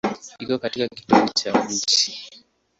Iko katika kitovu cha nchi.